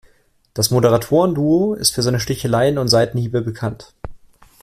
Das Moderatoren-Duo ist für seine Sticheleien und Seitenhiebe bekannt.